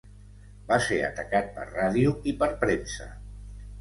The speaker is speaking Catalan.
Va ser atacat per ràdio i per premsa.